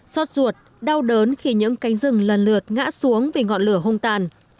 xót ruột đau đớn khi những cánh rừng lần lượt ngã xuống vì ngọn lửa hung tàn